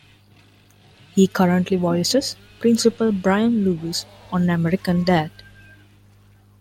He currently voices Principal Brian Lewis on "American Dad!".